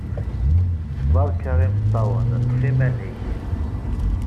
Berka imeṭṭawen. Ṭṭef iman-ik.